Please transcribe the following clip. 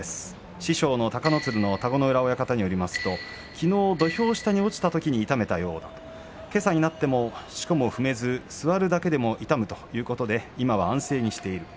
師匠の隆の鶴の田子ノ浦親方によりますときのう土俵下に落ちたときに痛めたようだけさになっても、しこも踏めず座るだけでも痛むということで今は安静にしている。